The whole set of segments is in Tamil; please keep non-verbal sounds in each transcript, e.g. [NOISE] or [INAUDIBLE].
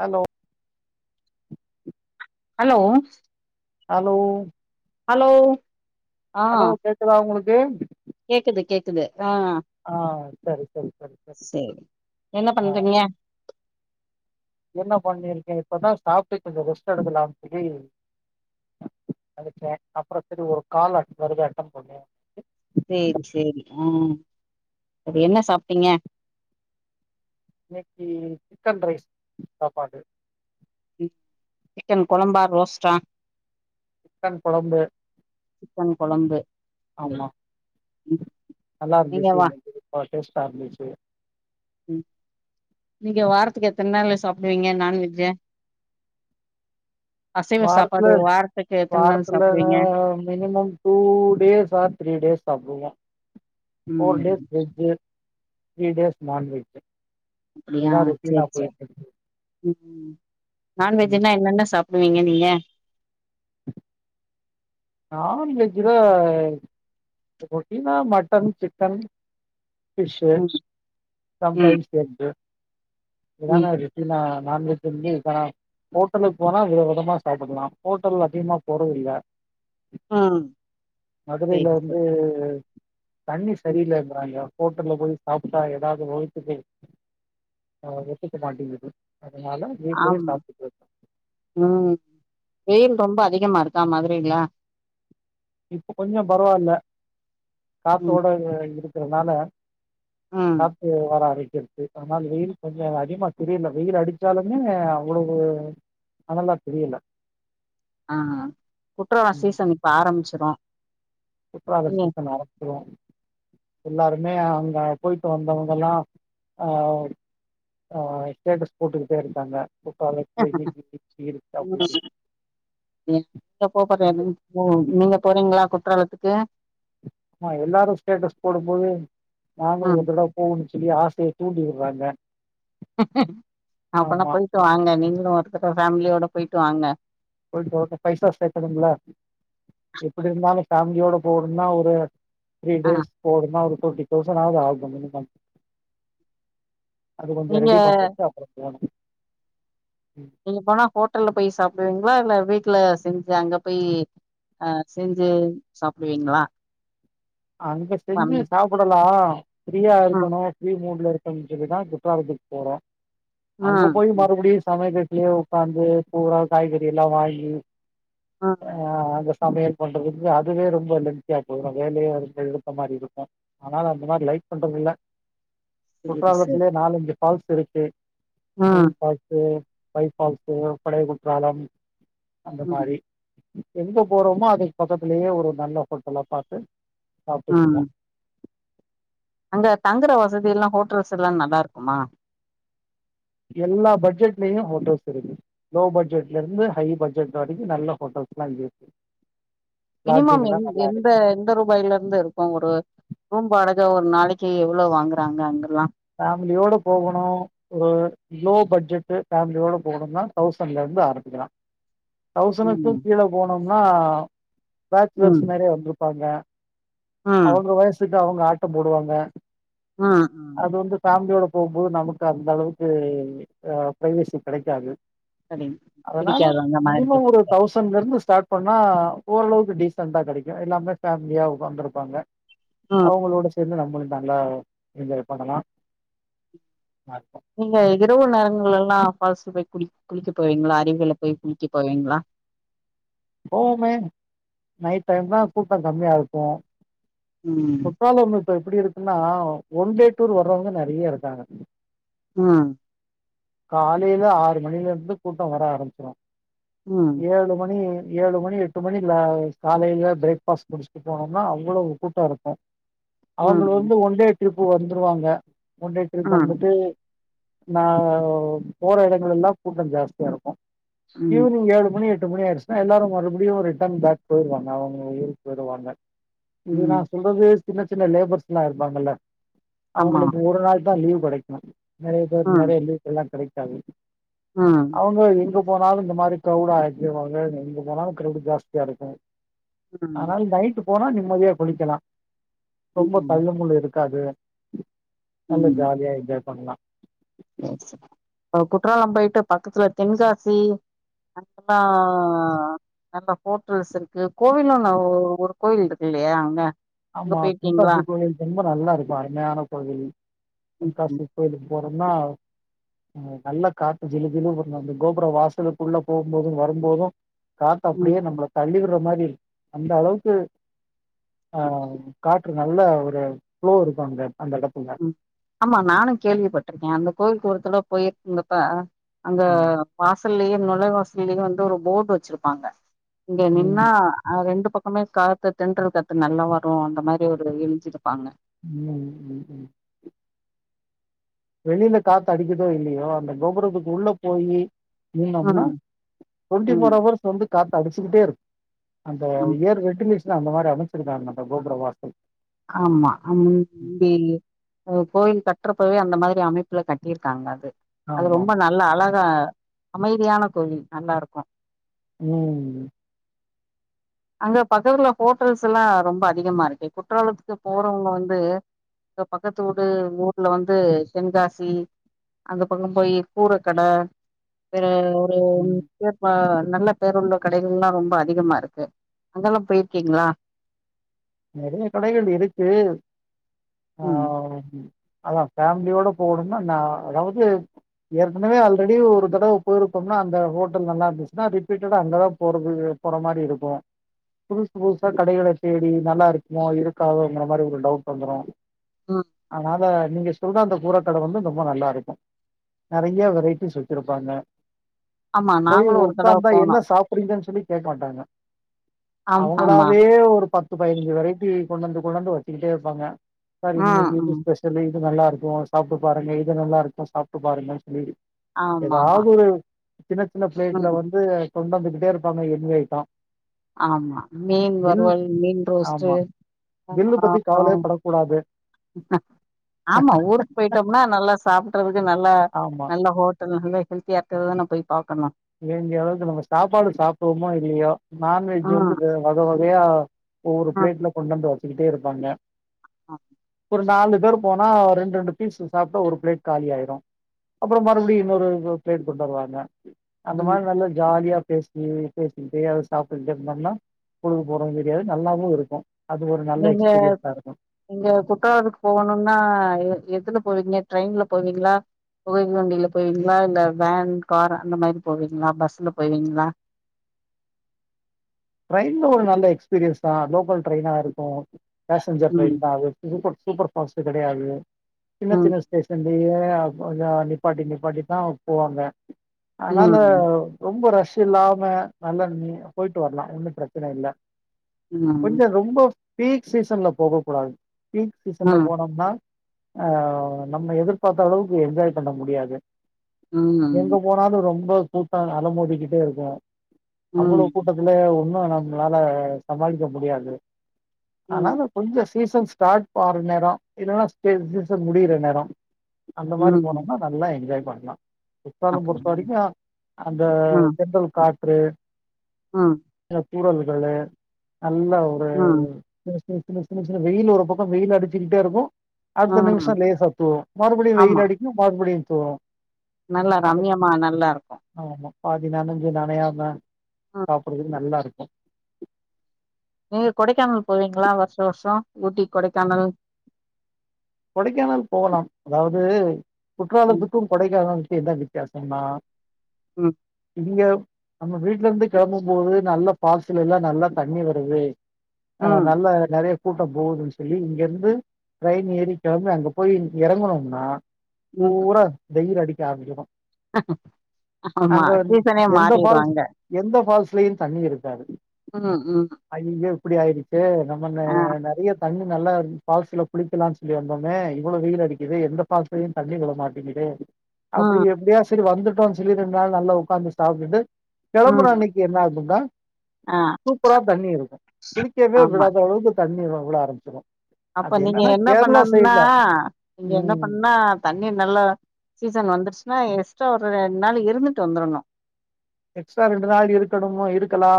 ஹலோ ஹலோ ஹலோ ஹலோ ஆ ஹலோ கேக்குதா உங்களுக்கு கேக்குது கேக்குது அ அ சரி சரி சரி சரி செரி என்ன ஆ பண்றீங்க என்ன பண்ணிருக்கேன் இப்பதா சாப்ட்டு கொஞ்சம் ரெஸ்ட் எடுக்கலாம்னு சொல்லி அடிச்சேன் அப்பறம் சேரி ஒரு கால் அது வரைக்கு அட்டென்ட் பண்ணே சேரி சேரி ம் சரி என்ன சாப்ட்டீங்க இன்னைக்கு சிக்கன் ரைஸ் சாப்பாடு சிக்கன் கொழம்பா ரோஸ்டா சிக்கன் கொழம்பு சிக்கன் கொழம்பு ஆமா இன்னைக்கு ம் நல்லா நீங்க இருந்துச்சு வா நல்ல டேஸ்ட்டா இருந்துச்சு ம் நீங்க வாரத்துக்கு எத்தன நாளு சாப்டுவீங்க நான்வெஜ்ஜ அசைவ வாரத்துல சாப்பாடு வார வாரத்துல minimum two days or three days சாப்டுவேன் போர் ம் days veg three days non veg அப்டியா சேரி சேரி இருக்கு ம் ம் நான்வெஜ்ன்னா என்னென்ன சாப்டுவீங்க நீங்க நான்வெஜ்ல ரொட்டினா மட்டன் சிக்கன் பிஷ்சு ம் ம் சம்டைம்ஸ் எக்கு இத ம் தான ரொட்டினா நான்வெஜ் வந்து இத்தனா ஹோட்டலுக்கு போனா வித விதமா சாப்டலா ஹோட்டல் அதிகமா போறது இல்ல ம் மதுரைல சேரி வந்து சேரி தண்ணி ம் சரியில்லைன்றாங்க ஹோட்டல்ல போய் சாப்ட்டா ஏதாவது வயித்துக்கு அ ஒத்துக்க மாட்டுங்குது அதனால வீட்லயே ஆமா சாப்ட்டுகிறது ம் வெயில் ரொம்ப அதிகமா இருக்கா மதுரைல்ல இப்போ கொஞ்சம் பரவால ம் காத்தோட இருக்கறனால ம் காத்து வர ஆரம்பிச்சுருச்சு அதனால வெயில் கொஞ்சோ அதிகமா தெரியல வெயில் அடிச்சாலுமே அவ்வளவு அனால்ல தெரில அ குற்றலாம் ம் சீசன் இப்ப ஆரம்பிச்சிரும் குற்றால சீசன் ஆரம்பிச்சிருவான் எல்லாருமே அங்க போய்ட்டு வந்தவங்க எல்லா அ ஆ ஸ்டேட்டஸ் போட்டுக்கிட்டே இருக்காங்க குற்றாலம் போயி ம் நீங்க போ போற [UNINTELLIGIBLE] ஓ நீங்க போறீங்ளா குற்றாலத்துக்கு அ எல்லாரும் ஸ்டேட்டஸ் போடும்போது நாங்களு ம் ஒரு தடவ போடனு சொல்லி ஆசய தூண்டி விடுறாங்க அப்னா ஆமா போயிட்டு வாங்க நீங்களும் ஒரு தடவ ஃபேமிலியோட போயிட்டு வாங்க போய்ட்டு பைவ் ஸ்டார் ஸ்டே பண்ணனுமில்ல எப்டி இருந்தாலு ஃபேமிலியோட போகணும்னா ஒரு த்ரீ ஆ டேஸ் போனுமா ஒரு டுவெண்ட்டி தௌசண்ட் ஆகு மினிமம் அது கொஞ்சோ நீங்க ரெடி பண்ணிட்டு அப்பறம் போணு நீங்க போனா ஹோட்டல்ல போய் சாப்டுவீங்களா இல்ல வீட்ல செஞ்சு அங்க போய் அ செஞ்சு சாப்டுவீங்ளா அங்க செஞ்சு சாப்டலா ஃப்ரீயா ம் இருக்கணு ஃப்ரீ மூட்ல இரு க்கணு சொல்லிதான் குற்றாலத்துக்கு போறோ அங்க ம் போய் மறுபடியு சமய கட்லயே உக்காந்து பூரா காய்கறி எல்லா வாங்கி ஆ ஆ அந்த சமையல் பண்றதுக்கு அதுவே ரொம்ப லென்த்தியா போய்ரு வேலயே [UNINTELLIGIBLE] எடுத்த மாரி இருக்கு ஆனால் அந்த மாரி லைக் பண்றதில்ல சேரி சேரி குற்றாலத்திலியே நாலஞ்சு ஃபால்ஸ் இருக்கு ம் மெயின் ஃபால்ஸ்சு பை ஃபால்ஸ்சு படைைய குற்றாலம் அந்த ம் மாரி எங்க போறோமோ அதுக் பக்கத்திலேயே ஒரு நல்ல ஹோட்டலா பாத்து ம் சாப்ட்டுக்குடுங்க அங்க தங்கற வசதி எல்லா ஹோட்டல்ஸ் எல்லா நல்லா இருக்குமா எல்லா பட்ஜெட்லயு ஹோட்டல்ஸ் இருக்கு லோ பட்ஜெட்ல இருந்து ஹை பட்ஜெட் வரைக்கு நல்ல ஹோட்டல்ஸ்ல்லா மினிமம் எந் எந்த எந்த ரூபாயிலேர்ந்து இருக் இப்ப ஒரு ரூம் வாடக ஒரு நாளைக்கு எவ்ளோ வாங்கறாங்க அங்கல்லா ஃபேமிலியோட போகுணு ஒ லோ பட்ஜெட்டு ஃபேமிலியோட போகணும்னா தௌசண்ட்லர்ந்து ஆரம்பிக்கலா ம் தௌசனுக்கும் கீழே போனோம்னா ம் பேச்சுலர்ஸ் நெறையே வந்திருப்பாங்க ம் அவுங்க வயசுக்கு அவுங்க ஆட்டம் போடுவாங்க ஆ அது வந்து ஃபேமிலியோட போம்போது நமக்கு அந்த அளவுக்கு அ ப்ரைவெசி கெடைக்காது சரி அதனால பிடிக்காது அந்த மாதிரிக்கு மினிமம் ஒரு பிடிக்காது தௌசண் இப்ப இங்கிருந்து ஸ்டார்ட் பண்ணா ஓரளவுக்கு டீசெண்ட்டா கெடைக்கு எல்லாமே ஃபேமிலியா உக்காந்திருப்பாங்க ம் அவுங்களோட சேந்து நம்மளு நல்லா என்ஜாய் [UNINTELLIGIBLE] நீங்க இரவு நேரங்கள்லெல்லா ஃபால்ஸ்ல போய் குளிக் குளிக்க போவீங்க்ளா அருவியல போய் குளிக்க போவேங்க்ளா போவுமே நைட் டைம்தான் கூட்டோ கம்மியா இருக்கு ம் குற்றாலம் இப்ப எப்டி இருக்குன்னா ஒன்டே டூர் வர்றவங்க நெறையா இருக்காங்க அ காலையில ஆறு மணிலேருந்து கூட்டோ வர ஆரம்பிச்சிரு ம் ஏழு மணி ஏழு மணி எட்டு மணில காலைல பிரேக்ஃபாஸ்ட் முடிச்சிட்டு போனோம்னா அவ்ளோ கூட்டோ இருக்கு அவுங்களு ம் வந்து ஒன் டே ட்ரிப் வந்துருவாங்க ஒன் டே ட்ரிப் ம் வந்துட்டு நா போற எடங்கலெல்லா கூட்டோ ஜாஸ்தியா இருக்கு ம் ஈவ்னிங் ஏழு மணி எட்டு மணி ஆயிருச்சு அ எல்லாரு மறுபுடியு ரிட்டர்ன் பேக் போயிருவாங்க அவங்கங் ஊருக் போயிருவாங்க இதுதா ம் சொல்றது சின்ன சின்ன லேபர்ஸ் எல்லா இருப்பாங்கல்ல ஆமா அவங்களுக்கு ஒரு நாள்தான் லீவ் கெடைக்கு நெறையா பேர் நெறையா லீஸ் எல்லா கெடைக்காது ஆ அவுங்க எங்க போனாலு இந்த மாதிரி கிரவுட் ஆகிருவாங்க எங்க போனாலு கிரவுட் ஜாஸ்தியா இருக்கு ம் ஆனால் நைட்டு போனா நிம்மதியா குளிக்கலா ரொம்ப ம் தள்ளமுள்ளு இருக்காது நல்லா ம் ஜாலியா என்ஜாய் பண்லா குற்றாலம் போயிட்டு பக்கத்துல தென்காசி [UNINTELLIGIBLE] நல்ல ஹோட்டல்ஸ் இருக்கு கோவிலு ஒரு கோயில் இருக்கு இல்லையா அங்க அங்க ஆமா போயிருக்கீங்களா தென்காசி கோயில் ரொம்ப நல்லா இருக்கு அருமையான கோவில் ம் தென்காசி கோயிலுக் போறோம்னா நல்ல காத்து ஜிலு ஜிலு அந்த கோபுரம் வாசலுக்குள்ள போம்போது வரும்போது காத்து ம் அப்டியே நம்ள தள்ளிவிட்ற மாரி இருக் அந்த அளவுக்கு ஆ காற்று நல்லா ஒரு ஃப்லோ இருக்கு அங்க அந்த எடத்துல ம் ஆமா நானு கேள்விப்பட்டிருக்கே அந்த கோவில்க்கூடத்துல போயிருக்கங்கப்ப அங்க ம் வாசல்லேயே நுழை வாசல்லேயே வந்து ஒரு போர்டு வெச்சிருப்பாங்க இங்க நின்னா ம் அ ரெண்டு பக் சமயோ காத்து தென்றல் காத்து நல்லா வரு அந்த மாரி ஒரு எழுஞ்சிட்ருப்பாங்க ம் ம் ம் வெளியில காத்து அடிக்குதோ இல்லையோ அந்த கோபுரத்துக்கு உள்ள போயி முட்னம்னா ம் டூவெண்ட்டி ஃபோர் ம் ஹவர்ஸ் வந்து காத்து அடிச்சிக்கிட்டே இருக் அந்த ஆ ஏர் வென்டிலேஷன் அந்த மாரி அமைச்சிருக்காங்க அந்த கோபுர வாசல் ஆமா அந்தேலியே கோயில் கட்றப்பவே அந்த மாதிரி அமைப்புல கட்டிருக்காங்க அது அது ஆமா ரொம்ப ஆமா நல் நல்லா அழகா அமைதியான கோவில் நல்லாருக்கு ம் அங்க பக்கத்துல ஹோட்டல்ஸ்லா ரொம்ப அதிகமா இருக்கு குற்றாலத்துக்கு போறவங்க வந்து இப்ப பக்கத்து ஊடு ஊர்ல வந்து சென்காசி அந்த பக்கம் போயி கூரக் கட வேற அது ம் சேரிப்பா நல்ல பேரு உள்ள கடைகள்லா ரொம்ப அதிகமா இருக்கு அங்கெல்லா போயிருக்கீங்ளா நெறைய கடைகள் இருக்கு ஆ ம் ம் அதா ஃபேமிலியோட போணும்னா நா அதாவது ஏற்கனவே ஆல்ரெடி ஒரு தடவ போயிருக்கோம்னா அந்த ஹோட்டல் நல்லா இருந்துச்னா ரிப்பீட்டடா அங்கதாம் போறது போற மாரி இருக்கு புதுசு புதுசா கடைகள தேடி நல்லா இருக்குமோ இருக்காதோங்கற மாரி ஒரு டவுட் வந்துரு ம் அதனால நீங்க சுகா அந்த பூராக்கட வந்து ரொம்ப நல்லாருக்கு நெறையா வெரைட்டிஸ் வச்சுருப்பாங்க ஆமா போயி நாங்களும் ஒரு தடவை உக்கந்தா என்ன போனோம் சாப் [UNINTELLIGIBLE] சொல்லி கேட்க மாட்டாங்க ஆமா ஆமா அவங்களாவே ஒரு பயிஞ்சு வெரைட்டி கொண்டாந்து கொண்டாந்து வச்சிட்டே இருப்பாங்க சார் ம் இன்னைக் இது ம் ஸ்பெச சொல்லி இது நல்லா இருக்கு சாப்ட்டு பாருங்க இது நல்லா இருக்கு சாப்ட்டு பாருங்கன்னு சொல்லி ஆமா ஆமா ஏதாவ்து ஒரு சின்ன சின்ன ம் பிளேட்ல வந்து கொண்டு வந்துகிட்டே இருப்பாங்க என் ஏ ஐட்டோ ஆமா மீன் வருவல் மீன் ரோஸ்ட் மா பில்லு பத்தி கவலைய படக்கூடாது ஆமா ஊருக்கு போயிட்டோம்னா நல்லா சாப்பிடறதுக்கு நல்லா ஆமா. நல்ல நல்ல நல்லா ஹெல்தியா இருகருது தானே போயி பாக்கலா வேண்டிய அளவுக் நம்ம சாப்பாடு சாப்டுவோமோ இல்லையோ ஆ நான்வெஜ் வந்து வகை வகையா ஒவ்வொரு ஆ பிளேட்ல கொண்டு வந்து வெச்சுக்கிட்டே இருப்பாங்க ஆ ஒரு நாலு பேரு போனா ரெண்டு ரெண்டு பீஸ் சாப்ட்டா ஒரு பிளேட் காலி ஆயிடு அப்றோ மறுபடியு இன்னொரு பிளேட்டு கொண்டு வருவாங்க அந்த ம் மாரி நல்ல ஜாலியா பேசி பேசிக்கிட்டே அத சாப்ட்டுகிட்டே இருந்தோம்னா பொழுது போரதும் தெரியாது நல்லாவு இருக்கு அது ஒரு நல்ல நீங்க எக்ஸ்பீரியன்ஸா இருக்கு நீங்க குற்றாலத்துக்கு போகணுனா எதுல போவீங்க ட்ரெயின்ல போவீங்களா புகைவண்டியில போவீங்களா இல்ல வேன், கார் அந்த மாரி போவீங்களா பஸ்ல போவீங்களா ட்ரெயின்ல ஒரு நல்ல எக்ஸ்பீரியன்ஸ் தா லோக்கல் ட்ரெய்னா இருக்கு பேச்சஞ்சர் ம் ட்ரெயின் தா அது சூப்பர் சூப்பர் ஃபாஸ்ட் கெடையாது ம் சின்னசின்ன ஸ்டேஷன்லயே அ நிப்பாட்டி நிப்பாட்டி தா போவாங்க அதனால ம் ரொம்ப ரஷ் இல்லாம நல்ல [UNINTELLIGIBLE] போயிட்டு வரலா ஒன்னு பிரச்சன இல்ல ம் கொஞ்ச ரொம்ப பீக் சீசன்ல போக கூடாது பீக் சீசன்ல ம் போனோம்னா அ நம்ம எதிர்பார்த்த அளவுக் என்ஜாய் பண்ண முடியாது எங்க ம் போனாலு ரொம்ப கூட்டம் அலமோதிக்டே இருக்கு அவ்ளோ ம் கூட்டத்துல இன்னு நம்ளால சமாளிக்க முடியாது ம் ஆனாலு கொஞ்சோ சீசன் ஸ்டார்ட் ஆவுற நேரோ இல்லன்னா சீசன் முடியுற நேரோ அந்த மாரி ம் போனோம்னா நல்லா என்ஜாய் பண்லா கொலம்பூர் அப்டியா போறீங்க அந்த ம் தென்றல் காற்று ம் ஏ கூட வந்துருக்கண்ணே நல்ல ம் தினுஸ் தினுஸ் தினுஷ் தினுஸ்னு வெயில் ஒரு பக்கோ வெயில் அடிச்சுக்கிட்டே இருக்கும் அடுத்த ம் நிமிஷோ லேசா தூரும் மறுபடியு ஆமா வெயில் அடிக்கும் மறுபடியு தூரும் நல்லா ரம்யம்மா நல்லா இருக்கும் ஆமா பாதி நானஞ்சும் நானையாம ஆ சாப்பிடுறதுக்கு நல்லா இருக்கு நீங்க கொடைக்கானல் போவீங்களா வருஷோ வருஷோ ஊட்டி கொடைக்கானல் கொடைக்கானல் போகலா அதாவது ம் குற்றாலத்துக்கு கொடைக்கானலுக்கு என்ன வித்தியாசம்னா ம் இங்க நம்ம வீட்ல இருந்து கெளம்பும் போது நல்ல பால்ஸ்ல்லா நல்லா தண்ணி வருது ஆ ம் நல்ல நெறைய கூட்டோ போகுது தோழி இங்கிருந்து ட்ரெயின் ஏரிக் கிளம்பி அங்க போய் எறங்குணொம்னா ம் பூரா வெயில் அடிக்க ஆரம்பிசிரு ஆமா அங்க சீசனே எந்த மாறிரு ஃபால்ஸ் அங்க எந்த ஃபால்ஸ்லயு தண்ணி இருக்காது ம் ம் ஐய்யய்யோ இப்டி ஆயிருச்சே நம்ம ந ஆ நெறைய தண்ணி நல்லா இரு பால்ஸ்ல குளிக்கலான் சொல்லி வந்தோமே இவ்ளோ வெயில் அடிக்குது எந்த ஃபால்ஸ்லயு தண்ணி விழ மாட்டேங்குதே அப்டி ம் எப்டியா செரி வந்துட்டோ சொல்லி ரெண்டு நாள் நல்லா உட்காந்து சாப்ட்டுட்டு கெளம்புற ம் அன்னைக்கு என்ன ஆகும்னா ஆ சூப்பரா தண்ணி இருக்கு குளிக்கவே ஆமா விடாத அளவுக்கு தண்ணி வுல ஆரம்பிச்சிரு அப்ப அது நீங்க என்னன்னா என்ன கேரளா பண்ணன்னா சைட்ல நீங்க என்ன ம் பண்ணா தண்ணி நல்ல சீசன் வந்துருச்சுன்னா எக்ஸ்டா ஒரு ரெண்டு நாள் இருந்துட்டு வந்துரணு எக்ஸ்ட்ரா ரெண்டு நாள் இருக்கணுமோ இருக்கலா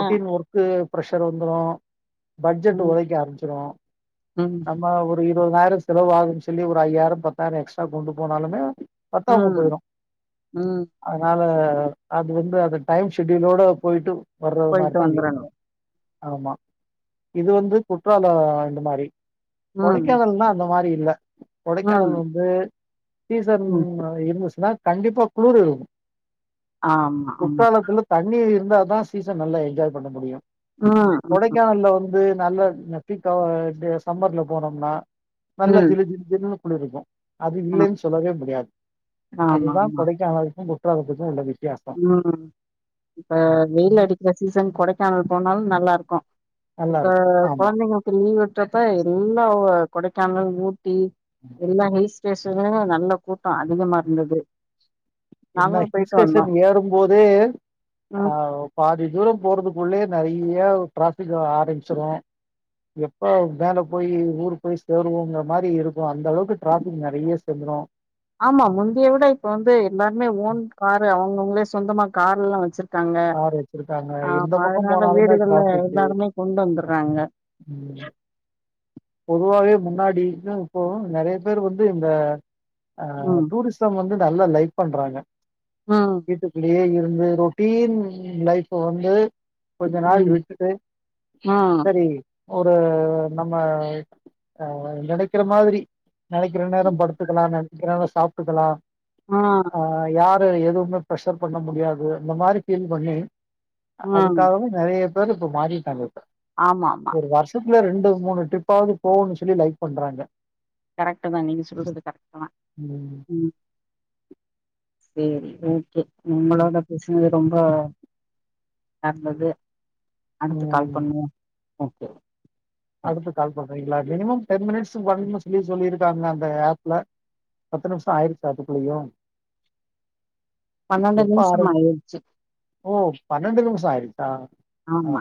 ஆ ஒர்க்கு ப்ரெஷர் வந்துரு பட்ஜெட் ம் உதைக்க ஆரம்பிச்ரு ம் நம்ம ஒரு இருபதாயிரோ செலவு ஆகுதுன் சொல்லி ஒரு ஐயாயிரம் பத்தாயிரம் எக்ஸ்ட்ரா கொண்டு போனாலுமே பத்தாம ம் போயிரு ம் அனால அது வந்து அது டைம் ஷெடியூலோட போயிட்டு வர்ற போயிட்டு மாரிதா வந்துரணு இருக்கு ஆமா இது வந்து குற்றாலோ இந்த மாரி ம் கொடைக்கானல்னா அந்த மாரி இல்ல ம் கொடைக்கானல் வந்து சீசன் ம் இருந்துச்சுன்னா கண்டிப்பா குளிர் இருக்கு ஆமா ஆமா குற்றாலத்துல தண்ணி இருந்தா தா சீசன் நல்லா என்ஜாய் பண்ண முடியு ம் ம் கொடைக்கானல்ல வந்து நல்ல பீக்க எப்டி சம்மர்ல போனோம்னா நல்லா ம். ஜிலு ஜிலு ஜிலுனு குளிர் இருக்கு அது ஆ இல்லைன் சொல்லவே முடியாது அதுதா ஆமாமா. கொடைக்கானலுக்கு குற்றாலத்துக்கு உள்ள வி ம் இப்ப வெயில் அடிக்கிற சீசன் கொடைக்கானல் போனாலு நல்லா இருக்கும் நல்லா இப்ப இருக்கு ஆமா கொழந்தைங்க லீவ் விட்டறப்ப எல்லா கொடைக்கானல் ஊட்டி எல்லாம் ஹில்ஸ் டேசுனோ நல்ல கூட்டோ அதிகமா இருந்தது என்ன நாங்களும் ஹில் போயிட்டு ஸ்டேஷன் வந்தோம். ஏறும் போதே ஆ ம். பாதி தூரோ போறதுக்குள்ளயே நெறைய டிராஃபிக் ஆரம்பிச்சிரு எப்போ மேல போயி ஊரு போய் சேருவோங்கிற மாரி இருக்கும் அந்த அளவுக்கு டிராஃபிக் நெறைய சேந்துரு ஆமா முந்தைய விட இப்ப வந்து எல்லாருமே ஓன் காரு அவுங்கவுங்ளே சொந்தமா கார் எல்லா வச்சிருக் க்காங்க கார் வச்சிருக்காங்க எந்த ஆமா பக்கோ அதுனால போனாலுமே வீடுகள்ல டிராஃபிக்கு எல்லாருமே கொண்டு வந்துறாங்க ம் பொதுவாவே முன்னாடிக்கு இப்போ நெறைய பேர் வந்து இந்த அ ம். டூரிஸ்ட் தம் வந்து நல்லா லைக் பண்றாங்க ம். வீட்டுக்குள்ளயே இருந்து ரூ திடீர்னு லைப் வந்து கொஞ்ச நாள் ம். விட்டுட்டு ம். சரி ஒரு நம்ம அ நெனைக்கிற மாதிரி நெனைக்கிற நேரோ ம். படுத்துக்கலா நெனைக்கிற நேரோ சாப்டுக்கலா ம். அ யார் ப எதுவுமே பிரஷர் பண்ண முடியாது இந்த மாரி பீல் பண்ணி ம். அதுக்காகவு நெறைய பேரு இப்ப மாறிட்டாங்க இப்ப ஆமாமா வருஷத்து ரெண்டு மூணு ட்ரிப்பாவது போன்னு சொல்லி லைக் பண்றாங்க கரெக்டுதா நீங்க சொல்றது கரெக்டுதா ம் சேரி ஓகே ம் உங்களோட பேசினது ரொம்ப நல்லது அடுத்து கால் ம் பண்ணுவோ ஓகே அடுத்து கால் பண்றீங்களா மினிமம் டென் மினிட்ஸ் பன்னனு சொல்லி சொல்லியிருக்காங்க அந்த ஆப்ல பத்து நிமிஷோ ஆயிருச்சா அதுக்குள்ளயு பன்னெண்டு எப்பொ நிமிஷம் ஆரம் ஆயிடுச்சு ஓ பன்னெண்டு நிமிஷோ ஆயிடுச்சா ஆமா